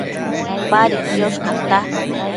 Padi quiosh cata